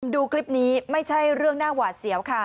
ดูคลิปนี้ไม่ใช่เรื่องน่าหวาดเสียวค่ะ